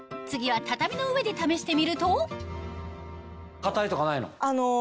次は畳の上で試してみると固いとかないの？